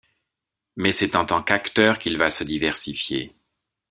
Mais c'est en tant qu'acteur qu'il va se diversifier.